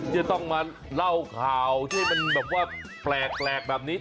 จะต้องมาเล่าข่าวที่ให้มันแบบว่าแปลกแบบนี้